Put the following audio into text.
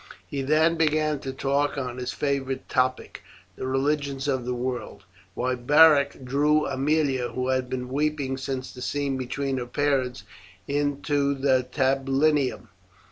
He then began to talk on his favourite topic the religions of the world, while Beric drew Aemilia, who had been weeping since the scene between her parents, into the tablinum.